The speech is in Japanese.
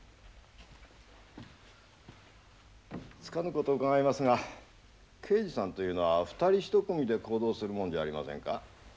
つかぬ事を伺いますが刑事さんというのは２人１組で行動するもんじゃありませんか？